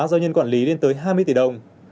do nhân quản lý lên tới hai mươi tỷ đồng